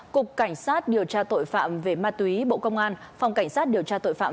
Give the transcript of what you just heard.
cục cảnh sát điều tra tội phạm về ma túy bộ công an phòng cảnh sát điều tra tội phạm